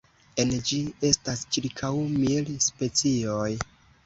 En ĝi estas ĉirkaŭ mil specioj.